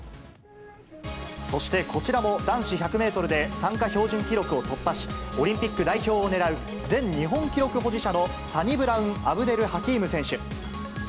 そしてこちらも、男子１００メートルで参加標準記録を突破し、オリンピック代表を狙う前日本記録保持者のサニブラウン・アブデルハキーム選手。